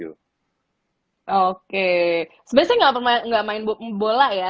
sebenarnya saya tidak bermain bola